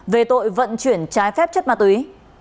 về tội vận chuyển trái phép chất ma túy